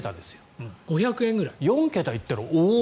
４桁行ったらおお！